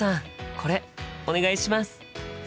これお願いします！